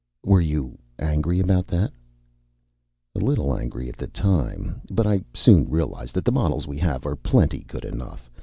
"Were you angry about that?" "A little angry at the time. But I soon realized that the models we have are plenty good enough.